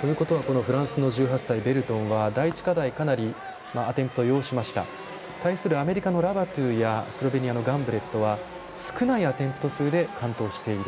ということはフランスの１８歳、ベルトンは第１課題かなりアテンプトを要しました対する、アメリカのラバトゥやスロベニアのガンブレットは少ないアテンプト数で完登している。